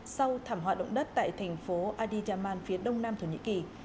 sau thảm họa động đất tại thành phố adiyaman phía đông nam thổ nhĩ kỳ